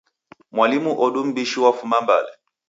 Mwalimu odu m'mbishi wafuma Mbale.